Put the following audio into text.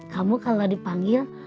kamu kalau dipanggil